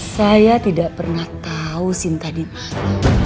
saya tidak pernah tahu sinta di mana